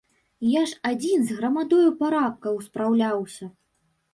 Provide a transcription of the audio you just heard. Я ж адзін з грамадою парабкаў спраўляўся!